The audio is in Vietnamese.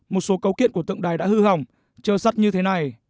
một số cấu kiện của tượng đài đã hư hỏng trơ sắt như thế này